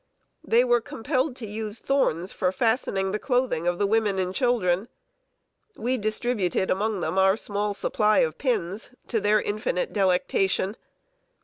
They were compelled to use thorns for fastening the clothing of the women and children. We distributed among them our small supply of pins, to their infinite delectation.